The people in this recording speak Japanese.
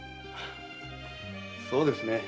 そうですね。